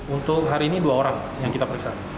untuk hari ini dua orang yang kita periksa